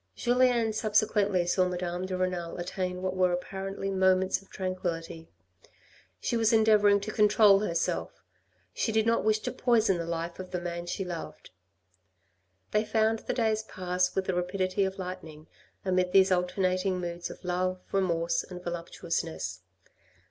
Julien subsequently saw Madame de Renal attain what were apparently moments of tranquillity. She was endeavouring THINKING PRODUCES SUFFERING 123 to control herself; she did not wish to poison the life of the man she loved. They found the days pass with the rapidity of lightning amid these alternating moods of love, remorse, and voluptuousness.